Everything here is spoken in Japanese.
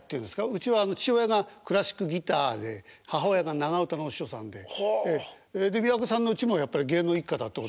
うちは父親がクラシックギターで母親が長唄のお師匠さんで三宅さんのうちもやっぱり芸能一家だって。